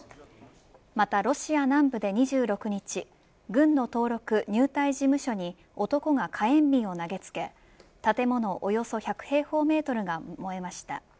またロシア南部で２６日軍の登録入隊事務所に男が火炎瓶を投げつけ建物およそ１００平方メートルが燃えました。